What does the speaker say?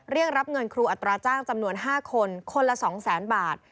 เรียกรับเงินครูอัตราจ้างจำนวน๕คนคนละ๒๐๐๐๐บาท